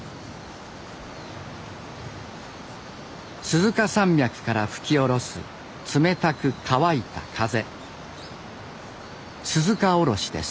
鈴鹿山脈から吹き降ろす冷たく乾いた風